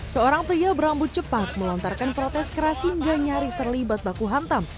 seorang pria berambut cepat melontarkan protes keras hingga nyaris terlibat baku hantam